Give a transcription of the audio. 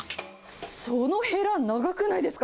そのへら、長くないですか？